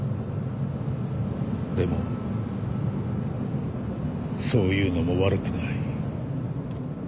でもそういうのも悪くない。